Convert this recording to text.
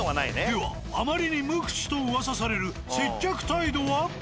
ではあまりに無口とうわさされる接客態度は？